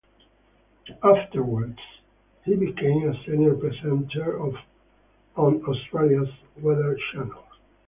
Afterwards, he became a senior presenter on Australia's Weather Channel.